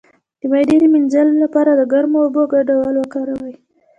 د معدې د مینځلو لپاره د ګرمو اوبو ګډول وکاروئ